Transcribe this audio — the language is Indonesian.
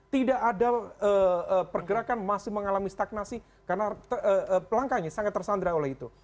tidak ada pergerakan masih mengalami stagnasi karena langkahnya sangat tersandra oleh itu